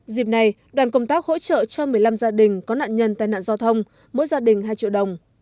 dịp này đoàn công tác hỗ trợ cho một mươi năm gia đình có nạn nhân tai nạn giao thông mỗi gia đình hai triệu đồng